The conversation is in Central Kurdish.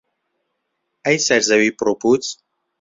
ئەی سەر زەوی پڕ و پووچ